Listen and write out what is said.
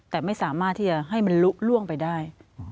แต่ไม่สามารถที่จะให้มันลุล่วงไปได้